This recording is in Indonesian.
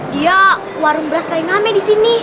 dia warung beras paling ame disini